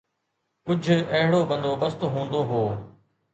ڪجهه اهڙو بندوبست هوندو هو.